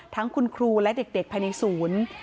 ทั้งคุณครูและเด็กภายในศูนย์